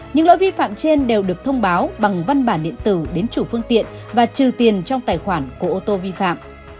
những lỗi vi phạm trên đều được thông báo bằng văn bản điện tử đến chủ phương tiện và trừ tiền trong tài khoản của ô tô vi phạm